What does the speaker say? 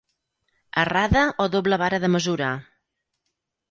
Errada o doble vara de mesurar?